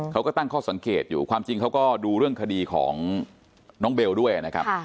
เขาก็ตั้งข้อสังเกตอยู่ความจริงเขาก็ดูเรื่องคดีของน้องเบลด้วยนะครับ